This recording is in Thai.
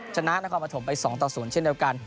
ชนะนครปฐมไป๒ต่อ๐เช่นเดียวกัน